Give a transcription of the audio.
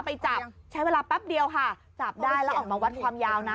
ไปจับใช้เวลาแป๊บเดียวค่ะจับได้แล้วออกมาวัดความยาวนะ